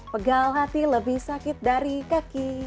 pegal hati lebih sakit dari kaki